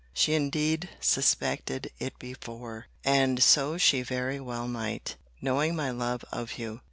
She indeed suspected it before: and so she very well might; knowing my love of you.